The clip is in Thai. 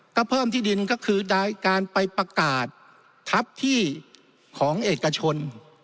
ถ้าเพิ่มที่ดินก็คือโดยการไปประกาศทัพที่ของเอกชน